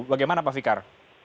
bagaimana pak fikar